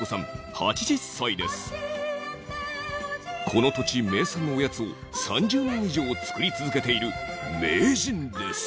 この土地名産のおやつを３０年以上作り続けている名人です。